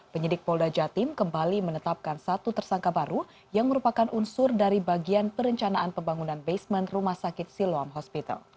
penyidik polda jatim kembali menetapkan satu tersangka baru yang merupakan unsur dari bagian perencanaan pembangunan basement rumah sakit siloam hospital